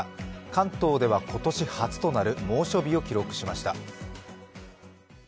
関東では今年初となる猛暑日を記録しました。